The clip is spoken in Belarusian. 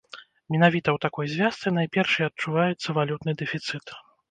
Менавіта ў такой звязцы найперш і адчуваецца валютны дэфіцыт.